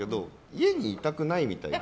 家にいたくないみたいで。